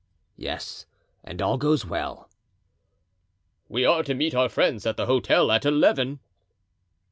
"Yes, and all goes well." "We are to meet our friends at the hotel at eleven."